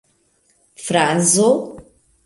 frazo